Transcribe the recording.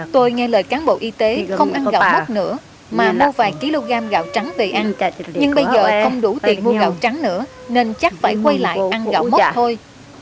tôi nghe lời cán bộ y tế không ăn gạo mắt nữa mà lao vài kg gạo trắng về ăn nhưng bây giờ không đủ tiền mua gạo trắng nữa nên chắc phải quay lại ăn gạo mốt thôi